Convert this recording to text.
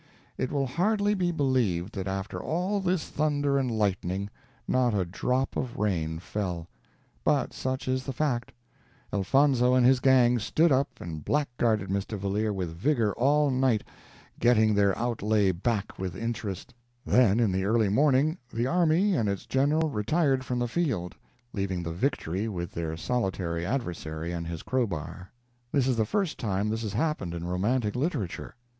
It will hardly be believed that after all this thunder and lightning not a drop of rain fell; but such is the fact. Elfonzo and his gang stood up and black guarded Mr. Valeer with vigor all night, getting their outlay back with interest; then in the early morning the army and its general retired from the field, leaving the victory with their solitary adversary and his crowbar. This is the first time this has happened in romantic literature.